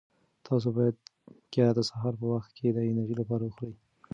تاسو باید کیله د سهار په وخت کې د انرژۍ لپاره وخورئ.